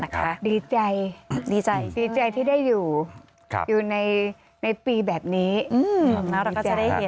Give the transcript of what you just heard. ครับผมนะครับดีใจดีใจที่ได้อยู่อยู่ในปีแบบนี้ดีใจครับดีใจครับเราก็จะได้เห็นเนอะ